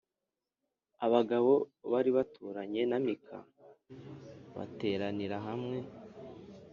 abagabo bari baturanye na Mika bateranira hamwe